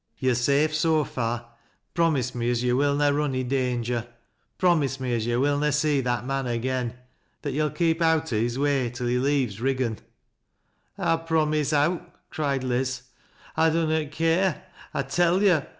To're safe so far : promise me as yo' will na run i' danger — promise me as yo' will na see that man again, that yo'U keep out o' his way till he leaves Riggan." " I'll promise owt," cried Liz. " I dunnot care, I tell yo'.